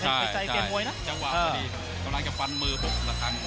จังหวะพอดีตอนนั้นก็ปันมือปุ๊บละครั้ง